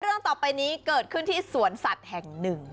เรื่องต่อไปนี้เกิดขึ้นที่สวนสัตว์แห่งหนึ่ง